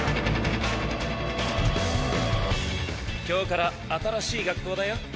今日から新しい学校だよ。